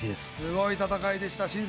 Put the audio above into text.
すごい戦いでした。